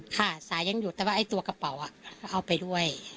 ค่ะสายยังอยู่แต่ว่าไอ้ตัวกระเป๋าก็เอาไปด้วย